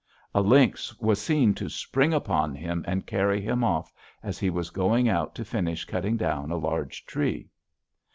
A lynx was seen to spring upon him and carry him off, as he was going out to finish cutting down a large tree.